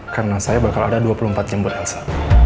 karena saya bakal ada dua puluh empat jam buat elsa